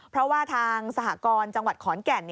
เพราะว่าทางสหกรจังหวัดขอนแก่น